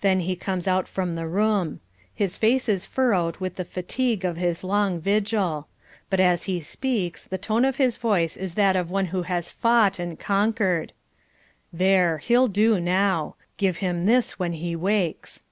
Then he comes out from the room. His face is furrowed with the fatigue of his long vigil. But as he speaks the tone of his voice is as that of one who has fought and conquered. "There he'll do now. Give him this when he wakes."